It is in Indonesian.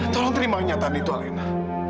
tolong terima kenyataan itu alena